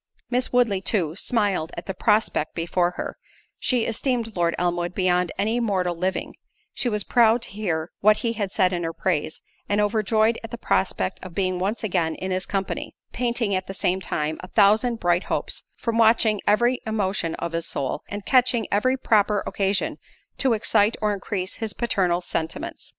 Miss Woodley, too, smiled at the prospect before her—she esteemed Lord Elmwood beyond any mortal living—she was proud to hear what he had said in her praise, and overjoyed at the prospect of being once again in his company; painting at the same time a thousand bright hopes, from watching every emotion of his soul, and catching every proper occasion to excite or increase his paternal sentiments.